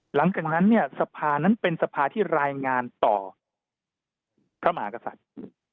หลังจากนั้นเนี่ยสภานั้นเป็นสภาที่รายงานต่อพระมหากษัตริย์